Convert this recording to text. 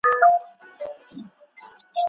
موږ بايد د سياست په اړه حقايق راټول کړو.